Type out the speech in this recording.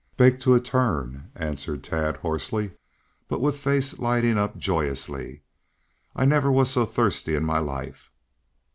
"Baked to a turn," answered Tad hoarsely, but with face lighting up joyously. "I never was so thirsty in my life."